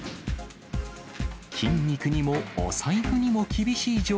筋肉にもお財布にも厳しい状